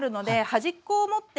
端っこ持って。